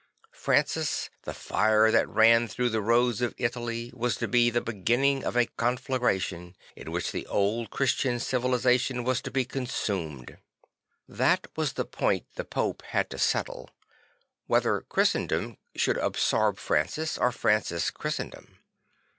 Francis, the fire that ran through the roads of Italy, was to be the beginning of a conflagration in which · the old Christian civilisation was to be consumed. That was the point the Pope had to settle; whether Christendom should absorb Francis or Francis Christendom.